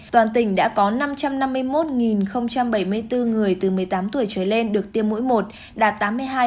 toàn tỉnh đã có năm trăm năm mươi một bảy mươi bốn người từ một mươi tám tuổi trở lên được tiêm mũi một đạt tám mươi hai